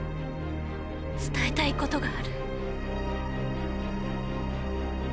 伝えたいことがある。